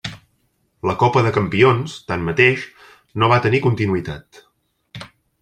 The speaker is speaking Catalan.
La Copa de Campions, tanmateix, no va tenir continuïtat.